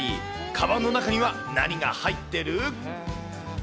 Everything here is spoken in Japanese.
かばんの中には何が入ってる？